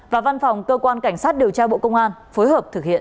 và văn phòng cơ quan cảnh sát điều tra bộ công an phối hợp thực hiện